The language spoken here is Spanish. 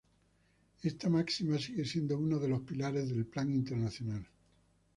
Esta máxima sigue siendo uno de los pilares de Plan International.